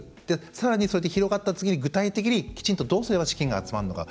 さらに、広がったら具体的にきちんとどうすれば資金が集まるのか。